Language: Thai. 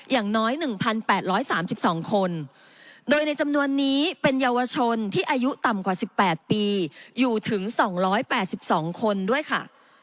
อย่างน้อย๑๘๓๒คนโดยในจำนวนนี้เป็นเยาวชนที่อายุต่ำกว่า๑๘ปีอยู่ถึง๒๘๒คนด้วยค่ะ